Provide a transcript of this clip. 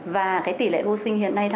và cái tỷ lệ vô sinh hiện nay